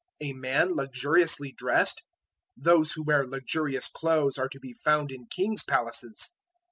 A man luxuriously dressed? Those who wear luxurious clothes are to be found in kings' palaces.